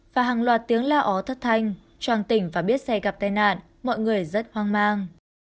và hàng loạt tiếng lo ó thất thanh choàng tỉnh và biết xe gặp tai nạn mọi người rất hoang mang